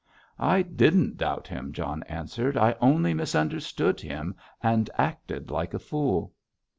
"I didn't doubt him," John answered. "I only misunderstood him, and acted like a fool."